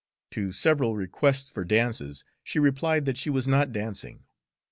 To several requests for dances she replied that she was not dancing.